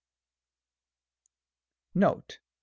Note.